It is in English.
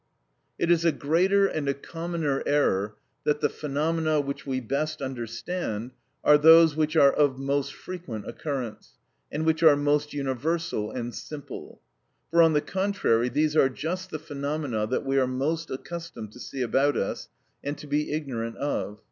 It is a greater and a commoner error that the phenomena which we best understand are those which are of most frequent occurrence, and which are most universal and simple; for, on the contrary, these are just the phenomena that we are most accustomed to see about us, and to be ignorant of.